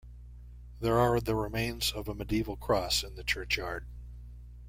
There are the remains of a medieval cross in the churchyard.